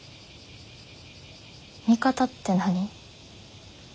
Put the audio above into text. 味方って何？